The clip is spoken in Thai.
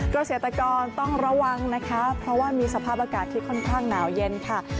เกษตรกรต้องระวังนะคะเพราะว่ามีสภาพอากาศที่ค่อนข้างหนาวเย็นค่ะ